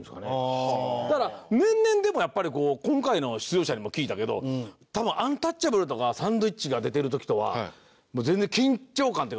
だから年々でもやっぱりこう今回の出場者にも聞いたけど多分アンタッチャブルとかサンドウィッチが出てる時とは全然緊張感っていうか